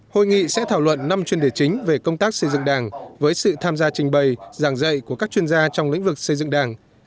hội nghị sẽ thảo luận năm chuyên đề chính về công tác xây dựng đảng với sự tham gia trình bày giảng dạy của các chuyên gia trong lĩnh vực xây dựng đảng